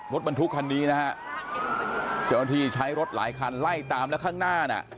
รถบรรทุกคันนี้นะฮะเจ้าหน้าที่ใช้รถหลายคันไล่ตามแล้วข้างหน้าน่ะ